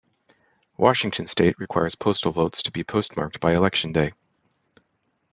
Washington State requires postal votes be postmarked by Election Day.